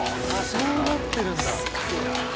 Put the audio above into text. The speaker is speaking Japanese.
そうなってるんだ。